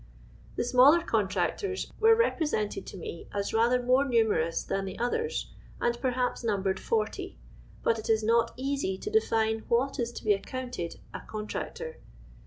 The smaller contractors were rcjre sentcd to me as rather more numerous than the others, and p<.'rha{)S numbered 40, but it is not easy to define what is to be accounted a contractor.